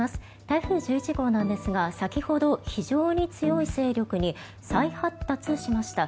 台風１１号なんですが先ほど、非常に強い勢力に再発達しました。